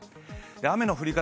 雨の降り方